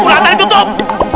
pulang tarik tutup